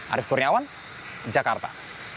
arief kurniawan jakarta